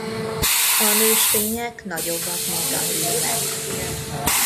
A nőstények nagyobbak mint a hímek.